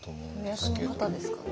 予約の方ですかね？